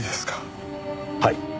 はい。